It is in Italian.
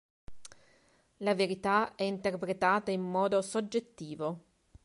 La verità è interpretata in modo soggettivo.